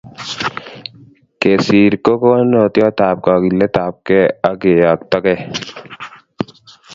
Kesir ko konunotiotap kakiletapkei ak keyoktokei